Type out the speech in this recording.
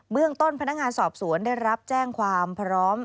เรื่องต้นพนักงานสอบสวนได้รับแจ้งความพร้อม